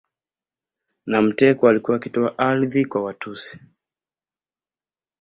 Na mteko alikuwa akitoa ardhi kwa Watusi